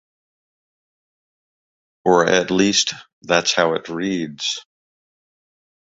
Or at least, that's how it reads.